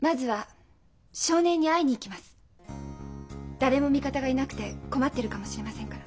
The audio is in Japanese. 誰も味方がいなくて困ってるかもしれませんから。